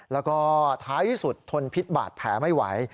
แล้วก็ท้ายที่สุดทนพิษบาดแผลไม่ไหว